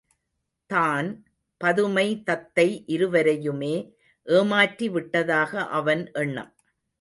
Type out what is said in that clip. தான், பதுமை தத்தை இருவரையுமே ஏமாற்றிவிட்டதாக அவன் எண்ணம்.